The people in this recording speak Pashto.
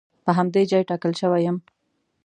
په همدې ځای ټاکل شوی یم.